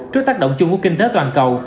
trước tác động chung của kinh tế toàn cầu